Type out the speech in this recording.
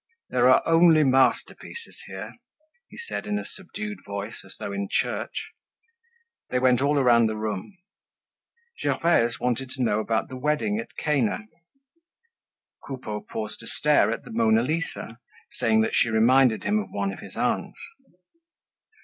"There are only masterpieces here," he said, in a subdued voice, as though in church. They went all around the room. Gervaise wanted to know about "The Wedding at Cana." Coupeau paused to stare at the "Mona Lisa," saying that she reminded him of one of his aunts.